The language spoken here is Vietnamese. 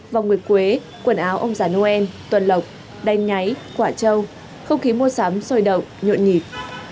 vòng nguyệt quế quần áo ông già noel tuần lộc đanh nháy quả trâu không khí mua sắm sôi đậu nhộn nhịp